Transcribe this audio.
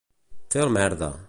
Fer el merda.